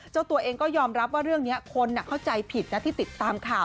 เจ้าตัวเองก็ยอมรับว่าเรื่องนี้คนเข้าใจผิดนะที่ติดตามข่าว